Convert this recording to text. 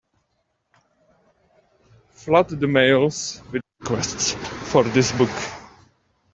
Flood the mails with requests for this book.